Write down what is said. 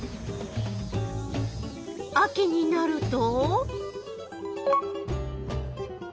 秋になると？